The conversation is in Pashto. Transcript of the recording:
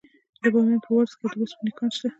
د بامیان په ورس کې د وسپنې کان شته.